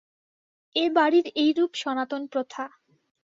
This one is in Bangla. এ বাড়ির এইরূপ সনাতন প্রথা।